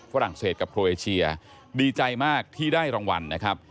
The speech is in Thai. ฝรั่งเศสกับโครเอเชียดีใจมากที่ได้รางวัลนะครับ